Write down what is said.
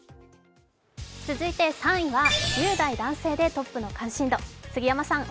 続いて３位は、１０代男性でトップの関心度。